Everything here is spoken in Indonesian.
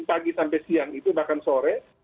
pagi sampai siang itu bahkan sore